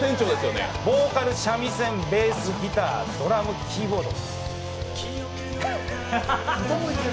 ボーカル、三味線、ベース、ギター、ドラム、キーボード。